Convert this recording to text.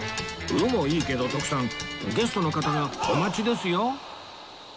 鵜もいいけど徳さんゲストの方がお待ちですよ